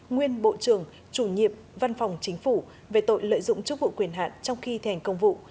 nguyên bộ trưởng chủ nhiệm văn phòng chính phủ về tội lợi dụng chức vụ quyền hạn trong khi thành công vụ